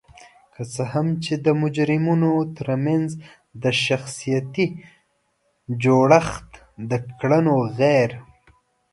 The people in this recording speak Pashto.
که څه هم چې د مجرمینو ترمنځ د شخصیتي جوړخت د کړنو غیر